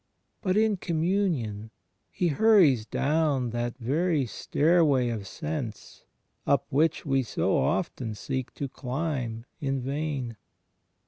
But, in Commimion, He hurries down that very stairway of sense up which we so often seek to climb in vain.